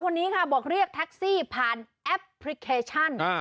คนนี้ค่ะบอกเรียกแท็กซี่ผ่านแอปพลิเคชัน